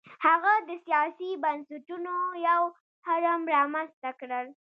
هغه د سیاسي بنسټونو یو هرم رامنځته کړل.